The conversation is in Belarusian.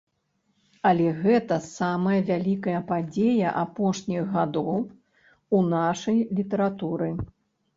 Але гэта самая вялікая падзея апошніх гадоў у нашай літаратуры.